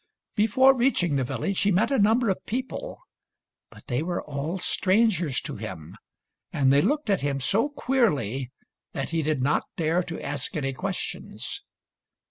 Before reaching the village he met a number of people; but they were all strangers to him, and 232 THIRTY MORE FAMOUS STORIES they looked at him so queerly that he did not dare to ask any questions.